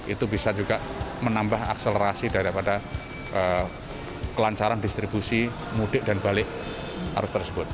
itu bisa juga menambah akselerasi daripada kelancaran distribusi mudik dan balik arus tersebut